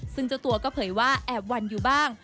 ซึ่งเจ้าตัวก็เผยว่าแอบหวั่นอยู่บ้าง